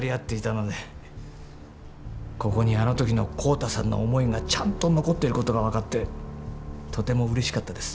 ここにあの時の浩太さんの思いがちゃんと残っていることが分かってとてもうれしかったです。